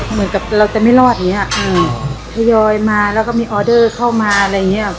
เหมือนกับเราแต่ไม่รอดเนี้ยอืมทยอยมาแล้วก็มีออเดอร์เข้ามาอะไรเงี้ย